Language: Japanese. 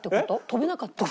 跳べなかった。